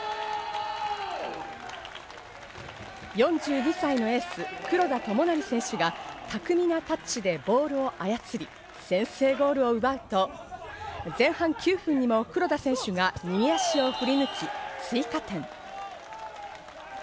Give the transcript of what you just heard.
４２歳のエース・黒田智成選手が巧みなタッチでボールを操り、先制ゴールを奪うと、前半９分にも黒田選手が右足を振り抜き追加点。